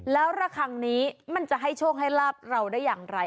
แล้วระคังนี้มันจะให้โชคให้ลาบเราได้อย่างไร